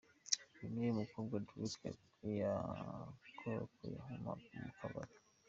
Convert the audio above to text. uyu niwe mukobwa Drake yakorakoye mu kabari .